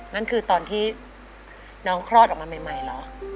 นั่นคือตอนที่น้องคลอดออกมาใหม่เหรอ